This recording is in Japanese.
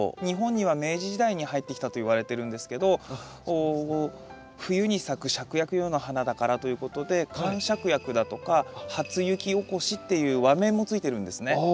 日本には明治時代に入ってきたといわれてるんですけど冬に咲く芍薬のような花だからということでっていう和名も付いてるんですね。